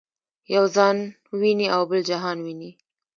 یو ځان ویني او بل جهان ویني.